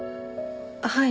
はい。